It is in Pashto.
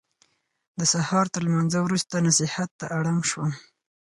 د سهار تر فرض لمانځه وروسته نصیحت ته اړم شو.